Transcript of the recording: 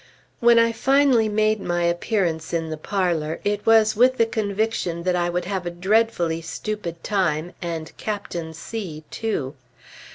When I finally made my appearance in the parlor, it was with the conviction that I would have a dreadfully stupid time, and Captain C too.